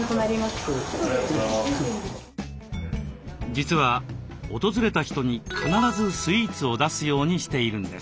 実は訪れた人に必ずスイーツを出すようにしているんです。